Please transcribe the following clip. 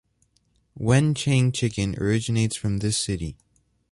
Wenchang Chicken originates from this city.